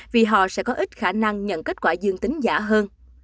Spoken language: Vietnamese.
vì họ sẽ có ít khả năng nhận kết quả dương tính giả hơn